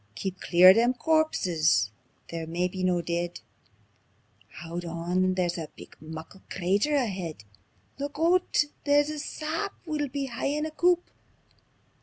"Keep clear o' them corpses they're maybe no deid! Haud on! There's a big muckle crater aheid. Look oot! There's a sap; we'll be haein' a coup.